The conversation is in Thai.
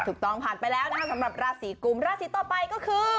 ถูกต้องผ่านไปแล้วสำหรับราศีกรุมราศีต่อไปก็คือ